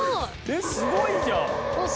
えっすごいじゃん！